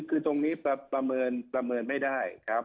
คือตรงนี้ประเมินไม่ได้ครับ